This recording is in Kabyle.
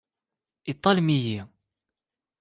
I tallem-iyi?